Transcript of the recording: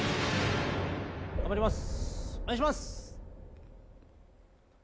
頑張ります